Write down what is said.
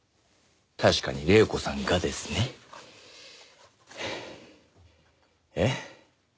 確かに黎子さんがですね。えっ？